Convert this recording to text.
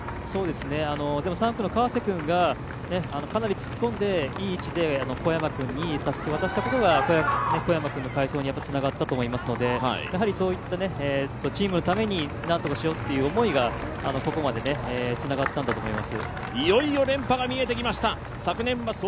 ３区の川瀬君がかなり突っ込んでいい位置で小山君にたすきを渡したことが、小山君の快走につながったと思いますので、そういったチームのためになんとかしようという思いがここまでつながったんだと思います。